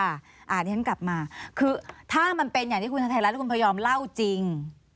อ่ะอันนี้ฉันกลับมาคือถ้ามันเป็นอย่างที่คุณธัยรัชน์และคุณพยอมเล่าจริง